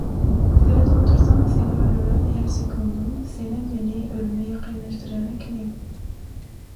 Seredip otursam seni öldüren her sekundym senem meni ölüme ýakynlaşdyrýan ekeniň.